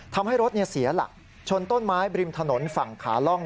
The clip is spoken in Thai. ทำให้รถเสียหลักชนต้นไม้บริมถนนฝั่งขาล่อง